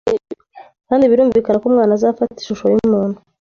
kandi birumvikana ko Umwana azafata ishusho yumuntu